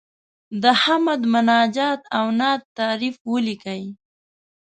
د حمد، مناجات او نعت توپیر ولیکئ.